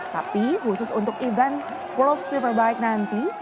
tapi khusus untuk event world superbike nanti